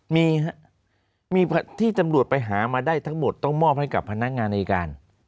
มีครับมีที่ตำรวจไปหามาได้ทั้งหมดต้องมอบให้กับพนักงานอายการ